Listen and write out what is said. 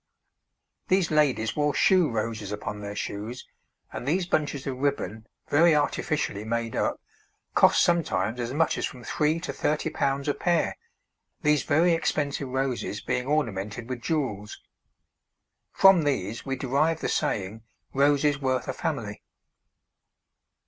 These ladies wore shoe roses upon their shoes, and these bunches of ribbon, very artificially made up, cost sometimes as much as from three to thirty pounds a pair, these very expensive roses being ornamented with jewels. From these we derive the saying, 'Roses worth a family.'